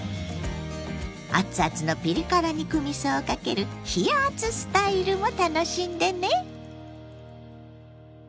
熱々のピリ辛肉みそをかける「冷やあつスタイル」も楽しんでね。